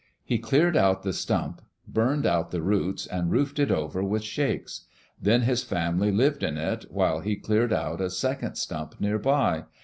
He cleared out the stump, burned out the roots, and roofed it over with shakes. Then his family lived in it while he cleared out a second stump near by.